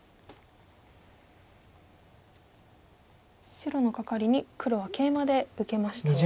白のカカリに黒はケイマで受けましたね。